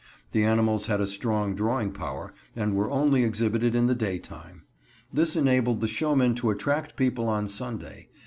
The animals had a strong drawing power, and were only exhibited in the daytime. This enabled the showmen to attract people on Sunday.